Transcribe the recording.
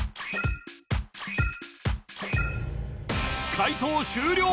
解答終了